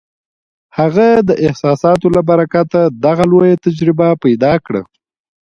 هغه د احساساتو له برکته دغه لویه تجربه پیدا کړه